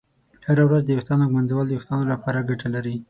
هره ورځ د ویښتانو ږمنځول د ویښتانو لپاره ګټه لري.